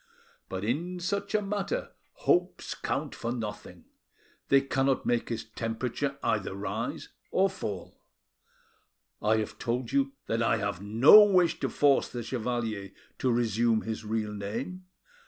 But in such a matter hopes count for nothing; they cannot make his temperature either rise or fall. I have told you I have no wish to force the chevalier to resume his real name.